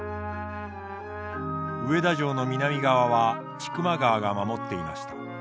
上田城の南側は千曲川が守っていました。